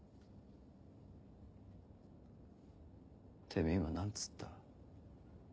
てめぇ今何つった？